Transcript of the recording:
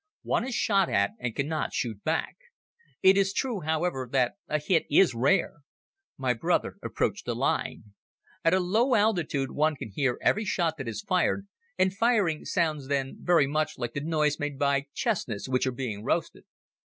One is shot at and cannot shoot back. It is true, however, that a hit is rare. My brother approached the line. At a low altitude one can hear every shot that is fired, and firing sounds then very much like the noise made by chestnuts which are being roasted.